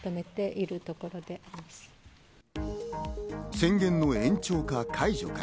宣言の延長か解除か。